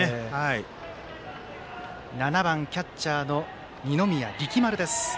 打者は７番キャッチャーの二宮力丸。